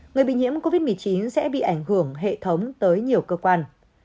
người bị nhiễm covid một mươi chín sẽ bị ảnh hưởng hệ thống tới nhiều cơ quan